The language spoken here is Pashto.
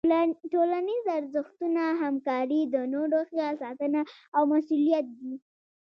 ټولنیز ارزښتونه همکاري، د نورو خیال ساتنه او مسؤلیت دي.